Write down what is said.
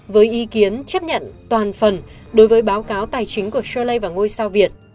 với ý kiến chấp nhận toàn phần đối với báo cáo tài chính của scholy và ngôi sao việt